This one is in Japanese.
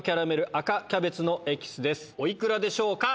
お幾らでしょうか？